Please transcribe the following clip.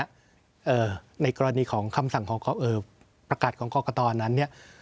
ในกรณีของคำสั่งของเอ่อประกาศของกรกตนั้นเนี่ย